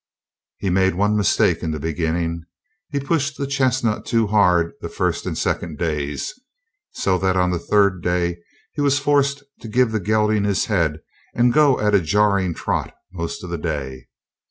He made one mistake in the beginning. He pushed the chestnut too hard the first and second days, so that on the third day he was forced to give the gelding his head and go at a jarring trot most of the day.